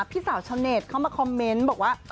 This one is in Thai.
พี่สาวชาวเน็ตเข้ามาคอมเมนต์บอกว่า